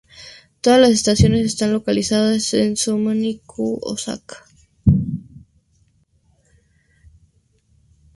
Todas las estaciones están localizando en Suminoe-ku, Osaka.